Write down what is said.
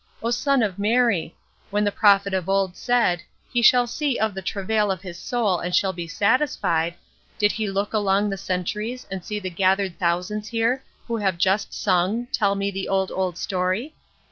O Son of Mary! When the prophet of old said, 'He shall see of the travail of his soul and shall be satisfied,' did he look along the centuries and see the gathered thousands here, who have just sung, 'Tell me the old, old story'?